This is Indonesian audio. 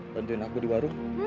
bantuin aku di warung